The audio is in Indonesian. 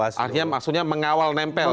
akhirnya maksudnya mengawal nempel